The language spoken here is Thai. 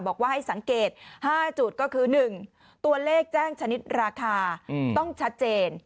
บอกว่าให้สังเกต๕จุดก็คือ๑ตัวเลขแจ้งชนิดราคาต้องชัดเจน